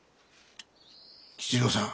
吉蔵さん。